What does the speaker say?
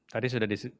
tadi sudah disampaikan